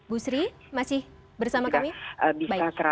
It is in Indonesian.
bu sri masih bersama kami